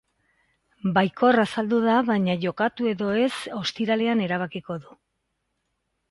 Baikor azaldu da baina jokatu edo ez ostiralean erabakiko du.